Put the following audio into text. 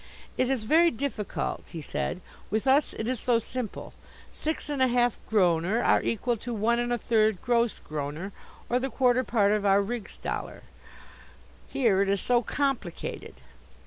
"It is very difficult," he said, "with us it is so simple; six and a half groner are equal to one and a third gross groner or the quarter part of our Rigsdaler. Here it is so complicated."